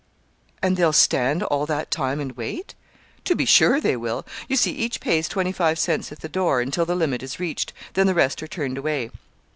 "And they'll stand all that time and wait?" "To be sure they will. You see, each pays twenty five cents at the door, until the limit is reached, then the rest are turned away.